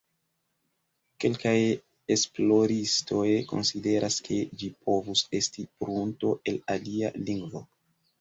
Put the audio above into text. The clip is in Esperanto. Kelkaj esploristoj konsideras ke ĝi povus estis prunto el alia lingvo.